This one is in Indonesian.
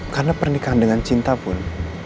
karena pernikahan dengan cinta pun